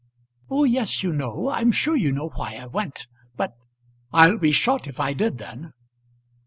"Oh yes, you know. I'm sure you know why I went. But " "I'll be shot if I did then."